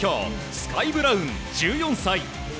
スカイ・ブラウン、１４歳。